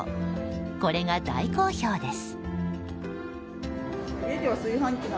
これが大好評です。